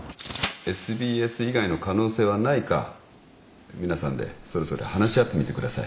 ＳＢＳ以外の可能性はないか皆さんでそれぞれ話し合ってみてください。